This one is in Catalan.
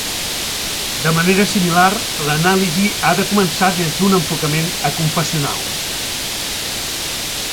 De manera similar, l'anàlisi ha de començar des d'un enfocament aconfessional.